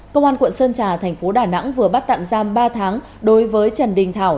công an quận sơn trà tp đà nẵng vừa bắt tạm giam ba tháng đối với trần đình thảo